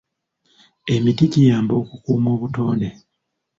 Emiti giyamba okukuuma obutonde.